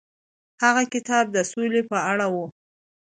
هغه کتاب د سولې په اړه و.